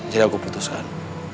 jadi aku putuskan